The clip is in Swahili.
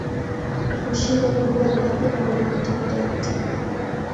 Hushindwa kujua ni wapi au lini watakutana tena